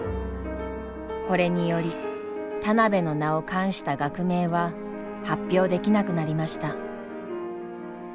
これにより田邊の名を冠した学名は発表できなくなりました。